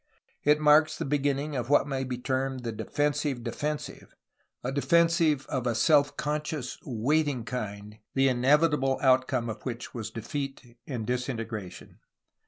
It marks the begin ning of what may be termed the "defensive defensive," a defensive of a self conscious, waiting kind, the inevitable outcome of which was defeat and disintegration.